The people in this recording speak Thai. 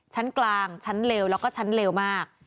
ชั้นกลางชั้นเลวแล้วก็ชั้นเลวมาก